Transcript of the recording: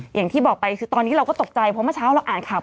อย่างที่บอกไปคือตอนนี้เราก็ตกใจเพราะเมื่อเช้าเราอ่านข่าว